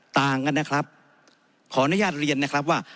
ต่างกันนะครับขออนุญาตเรียนนะครับว่า